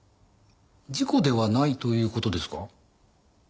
事故ではないという事ですか？